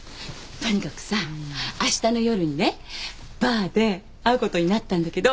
とにかくさあしたの夜にねバーで会うことになったんだけど。